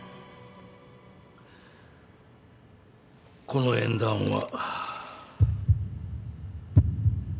この縁談は。